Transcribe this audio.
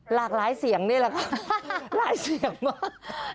หลากหลายเสียงนี่แหละค่ะหลายเสียงมาก